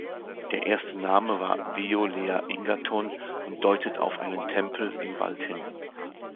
Der erste Name war "Weo-leah-ingaton" und deutet auf einen Temple im Wald hin.